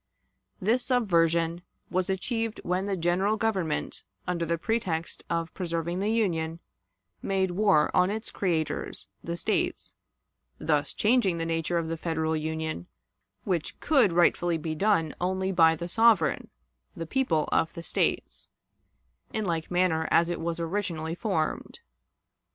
This subversion was achieved when the General Government, under the pretext of preserving the Union, made war on its creators the States, thus changing the nature of the Federal Union, which could rightfully be done only by the sovereign, the people of the States, in like manner as it was originally formed.